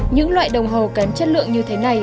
những loại đồng hầu kém chất lượng như thế này